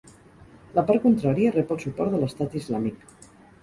La part contrària rep el suport de l'Estat Islàmic.